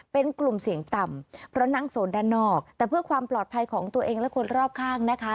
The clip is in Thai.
เป็นกลุ่มเสี่ยงต่ำเพราะนั่งโซนด้านนอกแต่เพื่อความปลอดภัยของตัวเองและคนรอบข้างนะคะ